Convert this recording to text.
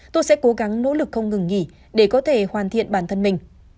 tôi sẽ cố gắng nỗ lực không ngừng nghỉ để có thể hoàn thiện bản thân mình